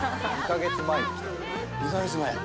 ２カ月前。